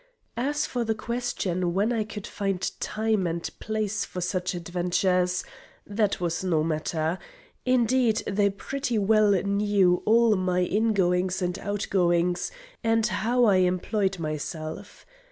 As for the question when I could find time and place for such adventures that was no matter, indeed they pretty well knew all my ingoings and outgoings, and how I employed myself.